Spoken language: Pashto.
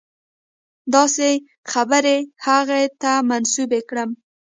داسې خبرې هغه ته منسوبې کړم.